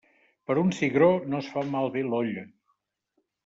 Per un cigró no es fa malbé l'olla.